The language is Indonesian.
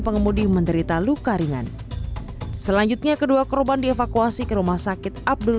pengemudi menderita luka ringan selanjutnya kedua korban dievakuasi ke rumah sakit abdul